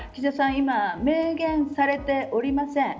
今、明言されておりません。